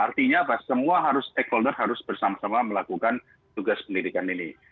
artinya apa semua stakeholder harus bersama sama melakukan tugas pendidikan ini